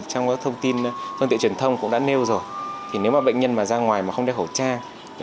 trong các thông tin thông tin truyền thông cũng đã nêu rồi thì nếu mà bệnh nhân ra ngoài mà không đeo khẩu trang